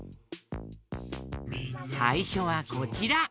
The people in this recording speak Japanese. さいしょはこちら。